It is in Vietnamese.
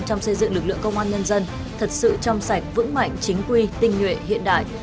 trong xây dựng lực lượng công an nhân dân thật sự trong sạch vững mạnh chính quy tinh nhuệ hiện đại